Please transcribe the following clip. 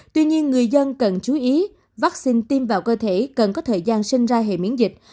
tuy nhiên người dân cần chú ý vaccine tiêm vào cơ thể cần có thời gian sinh ra hệ miễn dịch